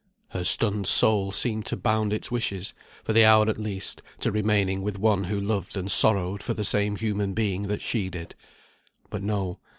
Her stunned soul seemed to bound its wishes, for the hour at least, to remaining with one who loved and sorrowed for the same human being that she did. But no.